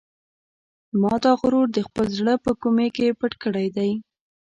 ما دا غرور د خپل زړه په کومې کې پټ کړی دی.